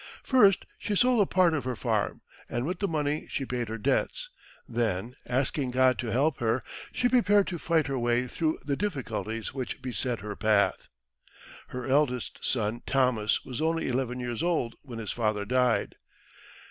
First, she sold a part of her farm, and with the money she paid her debts. Then, asking God to help her, she prepared to fight her way through the difficulties which beset her path. Her eldest son, Thomas, was only eleven years old when his father died.